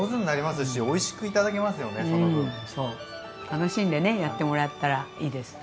楽しんでねやってもらったらいいですよね。